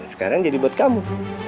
sekarang jadi buat kamu